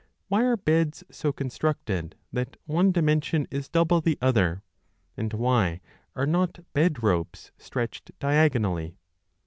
Why are beds so constructed that one dimension is double the other, and why are not bed ropes stretched diagonally?